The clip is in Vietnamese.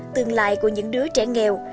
tương lai của những đứa trẻ nghèo